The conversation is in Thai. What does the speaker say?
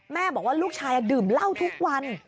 แม่บอกว่าลูกชายดื่มเหล้าทุกวัน